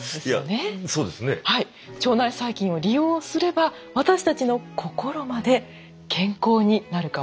腸内細菌を利用すれば私たちの心まで健康になるかもしれません。